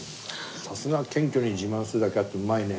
さすが謙虚に自慢するだけあってうまいね。